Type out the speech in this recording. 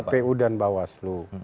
kpu dan bawaslu